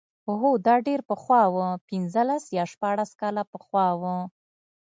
هو دا ډېر پخوا و پنځلس یا شپاړس کاله پخوا و.